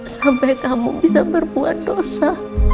sampai kamu bisa berbuat dosa